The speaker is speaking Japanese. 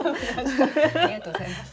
ありがとうございます。